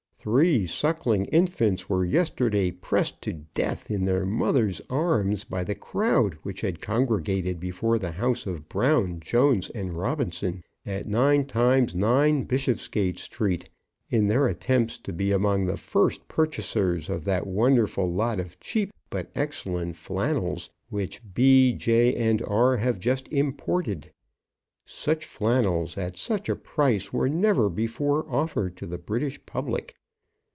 Three suckling infants were yesterday pressed to death in their mothers' arms by the crowd which had congregated before the house of Brown, Jones, and Robinson, at Nine times Nine, Bishopsgate Street, in their attempts to be among the first purchasers of that wonderful lot of cheap but yet excellent flannels, which B., J., and R. have just imported. Such flannels, at such a price, were never before offered to the British public.